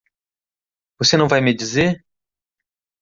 Você não vai me dizer?